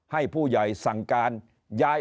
ให้ผู้ใหญ่สั่งการย้ายออกนอกพื้นที่